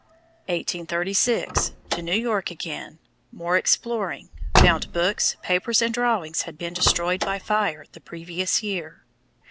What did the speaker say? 1836 To New York again more exploring; found books, papers and drawings had been destroyed by fire, the previous year.